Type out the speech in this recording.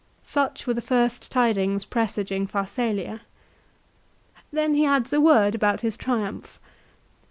Such were the first tidings presaging Pharsalia. Then he adds a word about his Triumph.